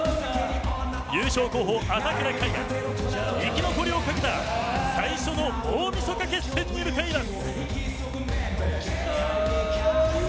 優勝候補、朝倉海が生き残りをかけた最初の大みそか決戦に向かいます。